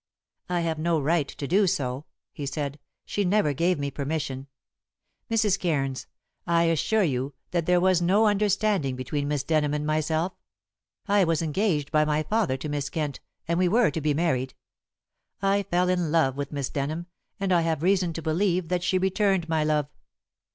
"I have no right to do so," he said. "She never gave me permission. Mrs. Cairns, I assure you that there was no understanding between Miss Denham and myself. I was engaged by my father to Miss Kent, and we were to be married. I fell in love with Miss Denham, and I have reason to believe that she returned my love."